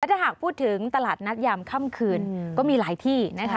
ถ้าหากพูดถึงตลาดนัดยามค่ำคืนก็มีหลายที่นะคะ